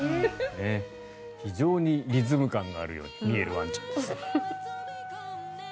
非常にリズム感があるように見えるワンちゃんです。